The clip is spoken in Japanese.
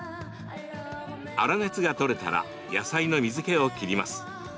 粗熱が取れたら野菜の水けを切ります。